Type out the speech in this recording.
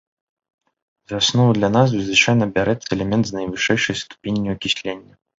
За аснову для назвы звычайна бярэцца элемент з найвышэйшай ступенню акіслення.